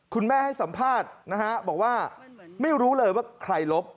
คุณแม่ให้สัมภาษณ์นะฮะบอกว่าไม่รู้เลยว่าใครลบ